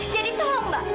jadi tolong mbak